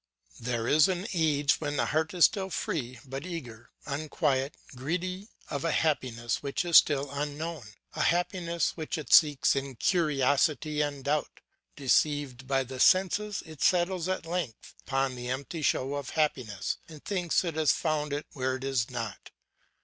There is an age when the heart is still free, but eager, unquiet, greedy of a happiness which is still unknown, a happiness which it seeks in curiosity and doubt; deceived by the senses it settles at length upon the empty show of happiness and thinks it has found it where it is not.